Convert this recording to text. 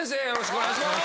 お願いします。